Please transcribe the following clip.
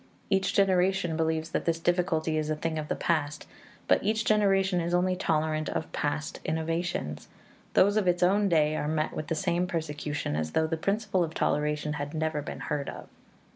Each generation believes that this difficulty is a thing of the past, but each generation is only tolerant of past innovations. Those of its own day are met with the same persecution as though the principle of toleration had never been heard of.